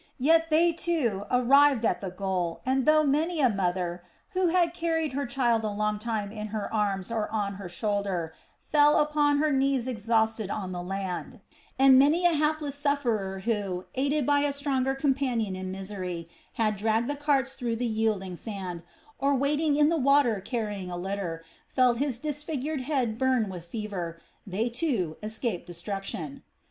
Yet they, too, arrived at the goal and though many a mother who had carried her child a long time in her arms or on her shoulder, fell upon her knees exhausted on the land, and many a hapless sufferer who, aided by a stronger companion in misery, had dragged the carts through the yielding sand or wading in the water carried a litter, felt his disfigured head burn with fever, they, too, escaped destruction.